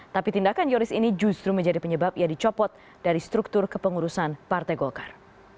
tapi tindakan yoris ini justru menjadi penyebab ia dicopot dari struktur kepengurusan partai golkar